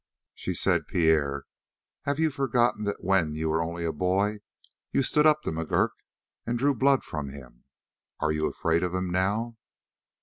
She said: "Pierre, have you forgotten that when you were only a boy you stood up to McGurk and drew blood from him? Are you afraid of him now?"